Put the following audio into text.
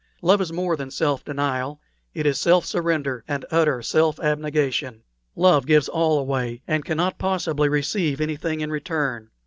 Love is more than self denial; it is self surrender and utter self abnegation. Love gives all away, and cannot possibly receive anything in return.